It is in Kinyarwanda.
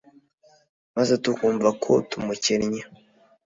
maze tukumva ko tumukennye.